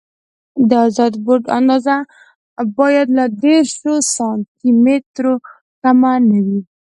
د ازاد بورډ اندازه باید له دېرش سانتي مترو کمه نه وي